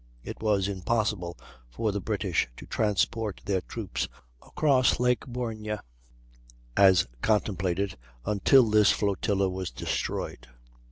It was impossible for the British to transport their troops across Lake Borgne, as contemplated, until this flotilla was destroyed.